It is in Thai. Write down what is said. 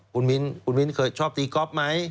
คุณมิ้นคุณมิ้นเคยชอบตีก๊อฟไหม